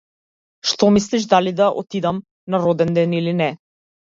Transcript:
Што мислиш дали да отидам на роденден или не?